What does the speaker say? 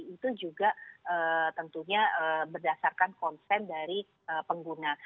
itu juga tentunya berdasarkan konsen dari pengguna